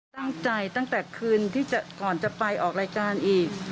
ตั้งใจตั้งแต่คืนก่อนจะไปออกรายการอีก